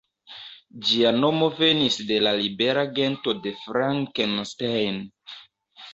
Ĝia nomo venis de la libera gento „de Frankenstein“.